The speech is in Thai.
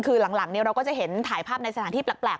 คือหลังเราก็จะเห็นถ่ายภาพในสถานที่แปลก